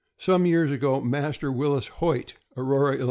Some years ago, Master Willis Hoyt, Aurora, 111.